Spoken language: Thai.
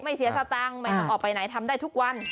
เสียสตังค์ไม่ต้องออกไปไหนทำได้ทุกวัน